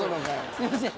すいません